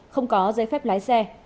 không có giấy phép lái xe